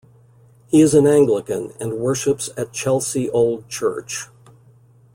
He is an Anglican and worships at Chelsea Old Church.